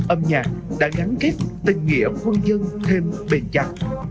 âm nhạc đã gắn kết tình nghĩa quân dân thêm bền chặt